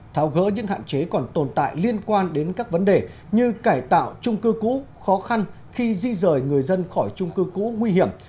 tháo gỡ những hạn chế còn tồn tại liên quan đến các vấn đề như cải tạo trung cư cũ khó khăn khi di rời người dân khỏi trung cư cũ nguy hiểm